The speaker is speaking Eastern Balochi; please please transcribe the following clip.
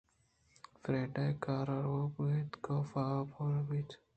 فریڈا ءِ کار روپگ اَت ءُکاف آپ آروک بیت